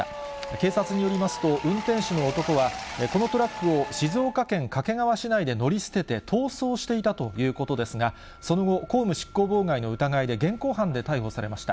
警察によりますと、運転手の男は、このトラックを静岡県掛川市内で乗り捨てて、逃走していたということですが、その後、公務執行妨害の疑いで現行犯で逮捕されました。